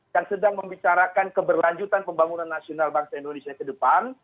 yang sedang membicarakan keberlanjutan pembangunan nasional bangsa indonesia ke depan